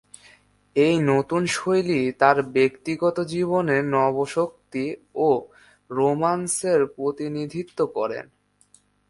এই নতুন শৈলী তাঁর ব্যক্তিগত জীবনে নবশক্তি ও রোমান্সের প্রতিনিধিত্ব করে।